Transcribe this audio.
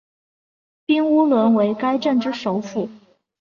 彬乌伦为该镇之首府。